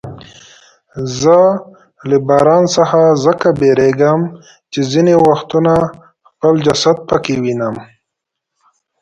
زه له باران څخه ځکه بیریږم چې ځیني وختونه خپل جسد پکې وینم.